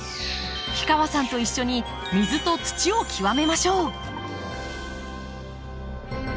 氷川さんと一緒に水と土をきわめましょう。